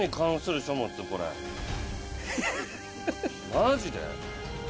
マジで？